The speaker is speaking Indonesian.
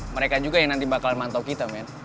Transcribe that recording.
mereka juga yang nanti bakalan mantau kita men